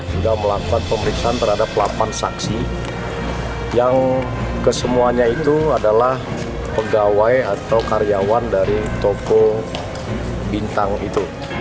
sudah melakukan pemeriksaan terhadap delapan saksi yang kesemuanya itu adalah pegawai atau karyawan dari toko bintang itu